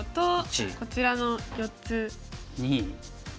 こちらの４つと。